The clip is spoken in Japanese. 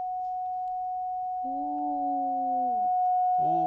お。